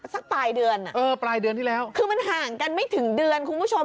สักปลายเดือนน่ะคือมันห่างกันไม่ถึงเดือนคุณผู้ชม